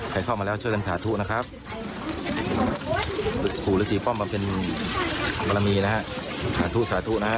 ใครเข้ามาแล้วเชื่อกันสาธุนะครับปู่รือสีป้อมมาเป็นปารามีนะฮะ